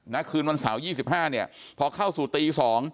คืนวันเสาร์๒๕เนี่ยพอเข้าสู่ตี๒